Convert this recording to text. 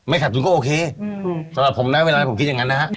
ขัดทุนก็โอเคสำหรับผมนะเวลาผมคิดอย่างนั้นนะฮะ